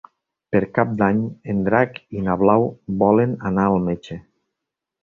Per Cap d'Any en Drac i na Blau volen anar al metge.